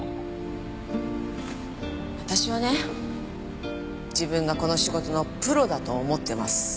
私はね自分がこの仕事のプロだと思ってます。